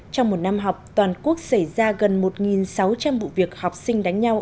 trong một năm học toàn quốc xảy ra gần một sáu trăm linh vụ việc học sinh đánh nhau